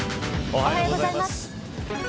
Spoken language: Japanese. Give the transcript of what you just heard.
おはようございます。